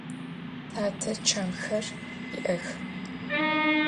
Tate çemxer yi'ex.